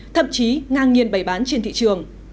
thậm chí ngang nghiên bày bán trên thị trường